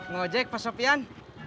ngojek pak sopyan